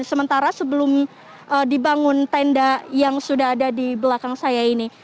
sementara sebelum dibangun tenda yang sudah ada di belakang saya ini